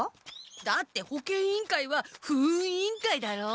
だって保健委員会は不運委員会だろう？